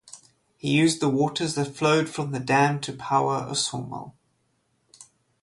He used the waters that flowed from the dam to power a sawmill.